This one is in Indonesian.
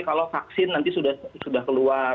kalau vaksin nanti sudah keluar